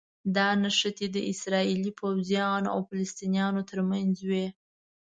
دا نښتې د اسراییلي پوځیانو او فلسطینیانو ترمنځ وي.